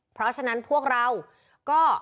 เพราะฉะนั้นพวกเราก็